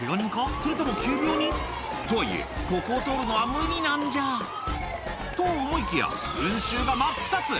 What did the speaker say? それとも急病人？とはいえここを通るのは無理なんじゃと思いきや群衆が真っ二つ！